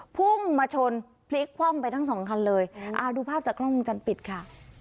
พุ่งมาชนพลิกคว่ำไปทั้งสองคันเลยอ่าดูภาพจากกล้องวงจรปิดค่ะ